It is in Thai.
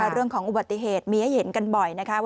เรื่องของอุบัติเหตุมีให้เห็นกันบ่อยนะคะ